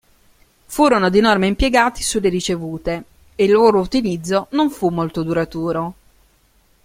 Furono di norma impiegati sulle ricevute, e il loro utilizzo non fu molto duraturo.